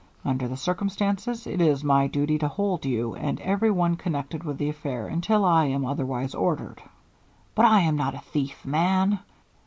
Under the circumstances it is my duty to hold you and every one connected with the affair until I am otherwise ordered." "But I am not a thief, man."